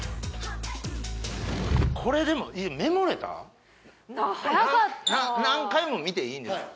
これでも何回も見ていいんですか？